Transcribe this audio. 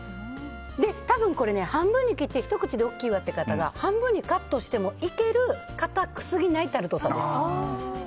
多分、これひと口で大きいわって方は半分にカットしてもいける硬すぎないタルトです。